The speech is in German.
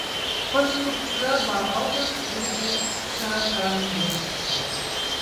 Konstrukteur war August Bobek-Zdaniewski.